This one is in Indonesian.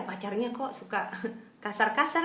pacarnya kok suka kasar kasar